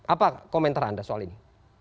apa komentar anda soal ini